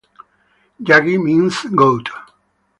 Yagi means goat.